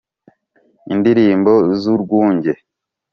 indilimbo z’urwunge,